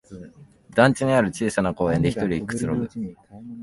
団地にある小さな公園でひとりくつろぐ